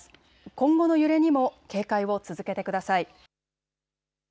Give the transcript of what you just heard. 今後の揺れにも警戒を続けてください。